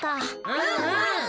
うんうん。